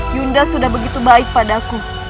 ibu nda sudah begitu baik padaku